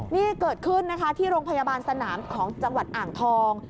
นี่เกิดขึ้นนะคะที่โรงพยาบาลสนามของจังหวัดอ่างทอง